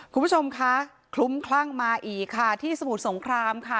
คุณผู้ชมคะคลุ้มคลั่งมาอีกค่ะที่สมุทรสงครามค่ะ